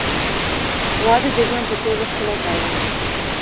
• واده د ژوند تر ټولو ښکلی پیوند دی.